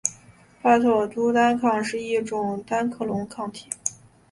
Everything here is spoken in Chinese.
帕妥珠单抗是一种单克隆抗体。